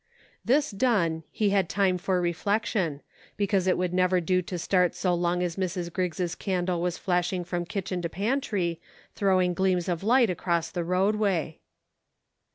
This done, he had time for reflection ; because it would never do to start so long as Mrs. Griggs' candle was flashing from kitchen to pantry, throwing gleams of light across the roadway.